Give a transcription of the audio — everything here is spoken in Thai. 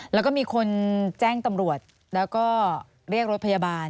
แล้วก็มีคนแจ้งตำรวจแล้วก็เรียกรถพยาบาล